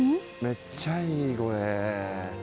めっちゃいいこれ。